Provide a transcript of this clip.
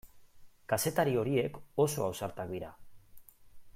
Kazetari horiek oso ausartak dira.